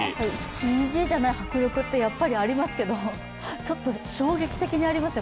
ＣＧじゃない迫力って、やっぱりありますけど、ちょっと衝撃的にありますね